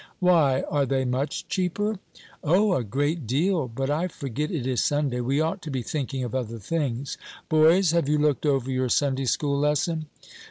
"Why? are they much cheaper?" "O, a great deal; but I forget it is Sunday. We ought to be thinking of other things. Boys, have you looked over your Sunday school lesson?"